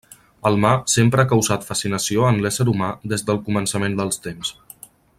El mar sempre ha causat fascinació en l'ésser humà des del començament dels temps.